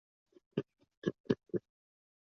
索尼官方对指控不予置评。